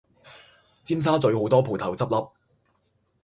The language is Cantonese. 尖沙咀好多舖頭執笠